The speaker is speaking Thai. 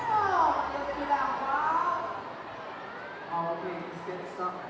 ขอบคุณมากสวัสดีครับ